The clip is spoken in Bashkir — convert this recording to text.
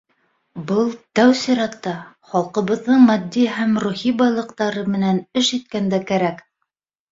Был тәү сиратта халҡыбыҙҙың матди һәм рухи байлыҡтары менән эш иткәндә кәрәк.